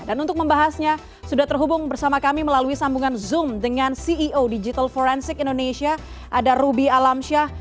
dan untuk membahasnya sudah terhubung bersama kami melalui sambungan zoom dengan ceo digital forensic indonesia ada ruby alamsyah